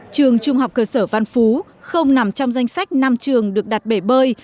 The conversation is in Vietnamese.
trường trung học cơ sở văn phú không nằm trong danh sách năm trường được đặt bể bơi